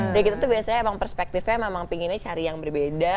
dan kita tuh biasanya emang perspektifnya emang pinginnya cari yang berbeda